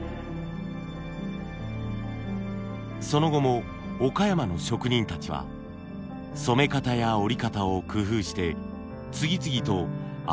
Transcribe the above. その後も岡山の職人たちは染め方や織り方を工夫して次々と新しい花莚を開発。